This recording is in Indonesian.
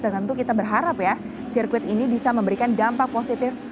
dan tentu kita berharap ya sirkuit ini bisa memberikan dampak positif